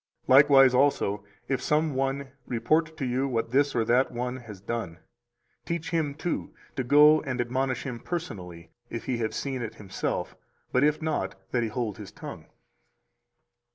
Likewise, also, if some one report to you what this or that one has done, teach him, too, to go and admonish him personally, if he have seen it himself; but if not, that he hold his tongue.